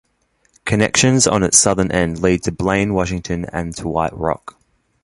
Connections on its southern end lead to Blaine, Washington and to White Rock.